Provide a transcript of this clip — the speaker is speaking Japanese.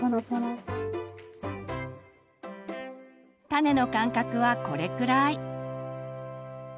種の間隔はこれくらい。